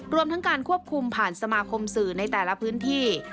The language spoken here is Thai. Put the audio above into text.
รวมทั้งการควบคุมผ่านสมาคมสื่อในแต่ละพื้นที่